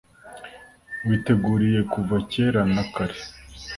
witeguriye kuva kera na kare